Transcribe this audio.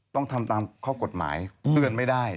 ต้องทำตามข้อกฎหมายเตือนไม่ได้